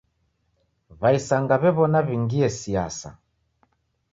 W'aisanga w'ew'ona w'ingie siasa.